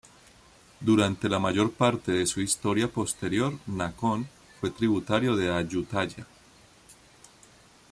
Durante la mayor parte de su historia posterior Nakhon fue tributario de Ayutthaya.